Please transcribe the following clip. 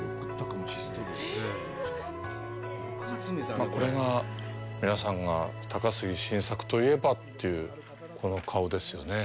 まあ、これが、皆さんが、高杉晋作といえばという、この顔ですよね。